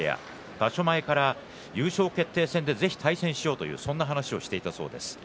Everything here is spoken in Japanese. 場所前から優勝決定戦でぜひ対戦しようとそういう話をしていたそうです。